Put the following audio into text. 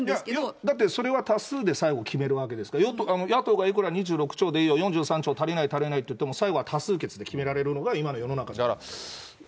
だって、それは多数で最後決めるわけですから、いくら２６兆でいいよ、４３兆じゃ足りない足りないっていっても、最後は多数決で決められるのが今の世の中だから。